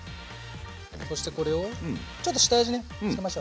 そしてこれをちょっと下味ね付けましょう。